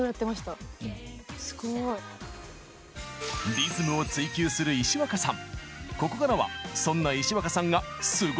リズムを追求する石若さん。